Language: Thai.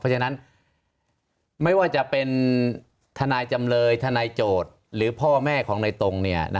เพราะฉะนั้นไม่ว่าจะเป็นทนายจำเลยทนายโจทย์หรือพ่อแม่ของในตรง